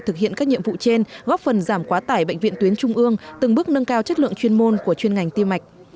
thực hiện các nhiệm vụ trên góp phần giảm quá tải bệnh viện tuyến trung ương từng bước nâng cao chất lượng chuyên môn của chuyên ngành tim mạch